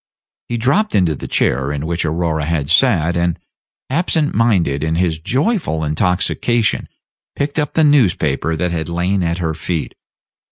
He dropped into the chair in which Aurora had sat, and, absent minded in his joyful intoxication, picked up the newspaper that had lain at her feet.